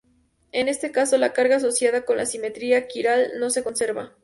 En este caso, la carga asociada con la simetría quiral no se conserva.